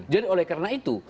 jadi oleh karena itu